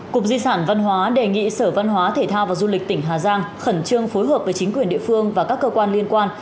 cục di sản văn hóa đề nghị sở văn hóa thể thao và du lịch tỉnh hà giang khẩn trương phối hợp với chính quyền địa phương và các cơ quan liên quan